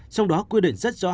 trong đó quy định rất rõ